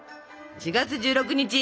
４月１６日。